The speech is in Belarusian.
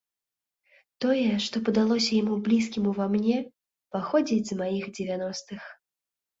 Тое, што падалося яму блізкім ува мне, паходзіць з маіх дзевяностых.